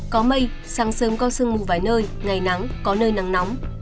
có mây sáng sớm có sương mù vài nơi ngày nắng có nơi nắng nóng